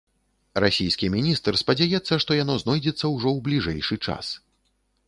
Расійскі міністр спадзяецца, што яно знойдзецца ўжо ў бліжэйшы час.